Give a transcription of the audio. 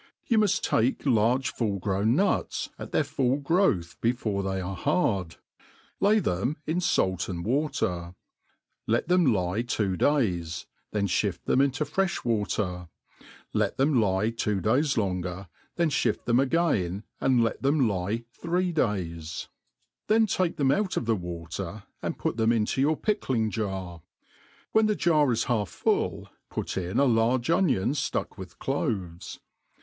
YOU muft take large full grown nuts, at their full growth before they are hard, lay them in fait and water ; let them lie two days, then ihift them into freih water ; lee them lie two idays longer, then (hift them'again,'and let them lie three days ; then take them out of the water, and put them into your pick ling jar. When the jar is half full, put in a large onion ftucfc with doves.